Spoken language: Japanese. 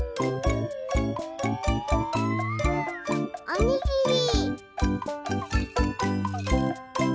おにぎり。